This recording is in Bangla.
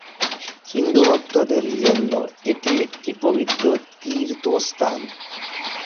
হিন্দু ভক্তদের জন্য এটি একটি পবিত্র তীর্থস্থান।